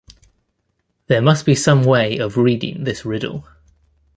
There must be some way of reading this riddle.